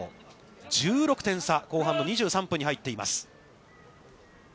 １６点差、後半の２３分に入っています。